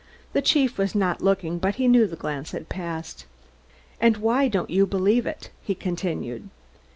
The chief was not looking, but he knew the glance had passed. "And why don't you believe it?" he continued.